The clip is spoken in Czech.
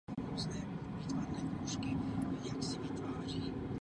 K nejvýznamnějším podnikům patří budování nové katedrály na pražském hradě.